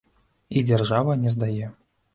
І дзяржаве не здае.